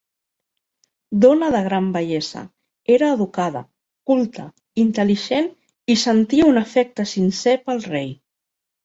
Dona de gran bellesa, era educada, culta, intel·ligent i sentia un afecte sincer pel rei.